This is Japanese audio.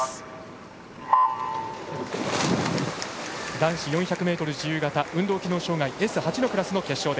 男子４００ｍ自由形運動機能障がいＳ８のクラスの決勝。